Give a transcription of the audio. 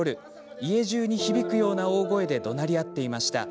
家じゅうに響くような大声でどなり合っていました。